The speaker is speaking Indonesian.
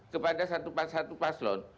kepada satu paslon